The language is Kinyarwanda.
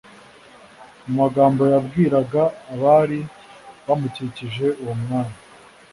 mu magambo yabwiraga abari bamukikije uwo mwanya,